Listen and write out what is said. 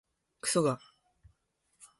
くそが